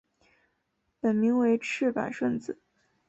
本名为赤坂顺子。